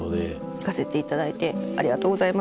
行かせていただいてありがとうございます。